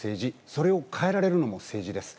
それを変えられるのも政治です。